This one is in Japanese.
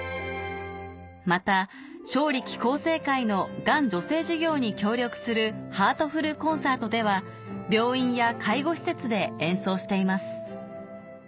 また正力厚生会のがん助成事業に協力するハートフル・コンサートでは病院や介護施設で演奏しています